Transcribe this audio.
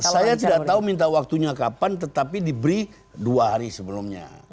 saya tidak tahu minta waktunya kapan tetapi diberi dua hari sebelumnya